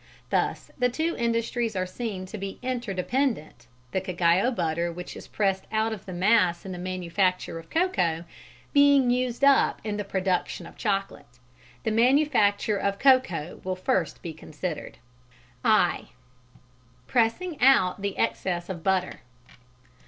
Thus the two industries are seen to be inter dependent, the cacao butter which is pressed out of the mass in the manufacture of cocoa being used up in the production of chocolate. The manufacture of cocoa will first be considered. (i) _Pressing out the excess of Butter.